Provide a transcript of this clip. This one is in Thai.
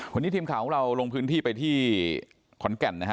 วันนี้ทีมข่าวของเราลงพื้นที่ไปที่ขอนแก่นนะฮะ